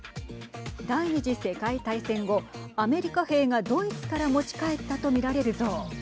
第２次世界大戦後アメリカ兵がドイツから持ち帰ったと見られる像。